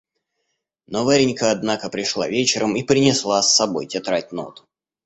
Но Варенька однако пришла вечером и принесла с собой тетрадь нот.